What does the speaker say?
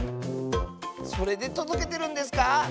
それでとどけてるんですか？